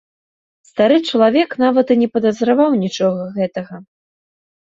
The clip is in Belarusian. Стары чалавек нават і не падазраваў нічога гэтага.